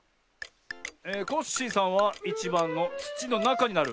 コッシーさんは１ばんのつちのなかになる。